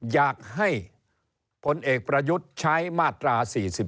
อยากให้พลเอกประยุทธ์ใช้มาตรา๔๔